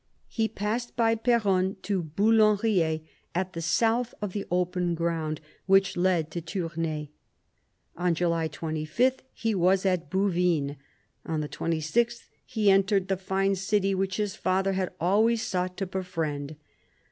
He passed by Peronne to Boulant riez at the south of the open ground which led to Tournai. On July 25 he was at Bouvines, on the 26th he entered the fine city which his father had always sought to befriend.